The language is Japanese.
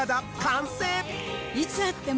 いつ会っても。